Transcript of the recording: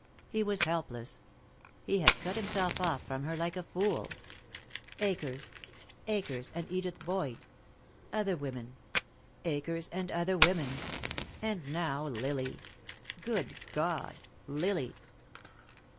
He was helpless. He had cut himself off from her like a fool. Akers. Akers and Edith Boyd. Other women. Akers and other women. And now Lily. Good God, Lily!